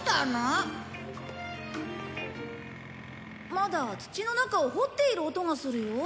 まだ土の中を掘っている音がするよ。